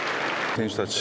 選手たち